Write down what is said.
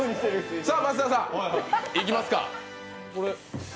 さあ増田さん、いきますか。